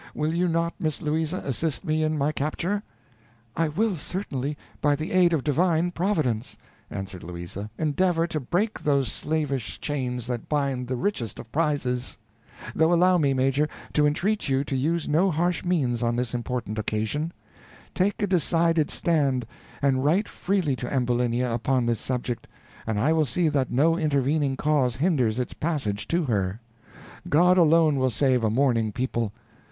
Will you not, Miss Louisa, assist me in my capture?" "I will certainly, by the aid of Divine Providence," answered Louisa, "endeavor to break those slavish chains that bind the richest of prizes; though allow me, Major, to entreat you to use no harsh means on this important occasion; take a decided stand, and write freely to Ambulinia upon this subject, and I will see that no intervening cause hinders its passage to her. God alone will save a mourning people.